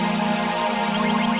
kamu sama siapa